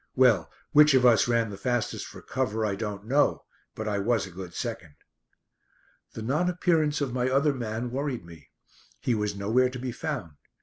Well, which of us ran the fastest for cover I don't know, but I was a good second! The non appearance of my other man worried me. He was nowhere to be found.